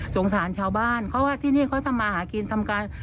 สารชาวบ้านเพราะว่าที่นี่เขาทำมาหากินทำการ